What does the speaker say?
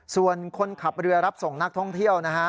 ส่วนคนขับเรือรับส่งนักท่องเที่ยวนะฮะ